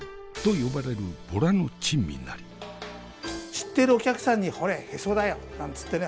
知ってるお客さんに「ほれへそだよ」なんつってね。